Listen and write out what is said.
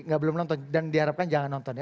nggak belum nonton dan diharapkan jangan nonton ya